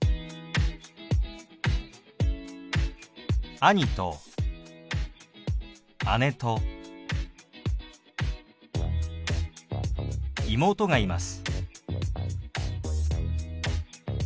兄と姉と妹がいます。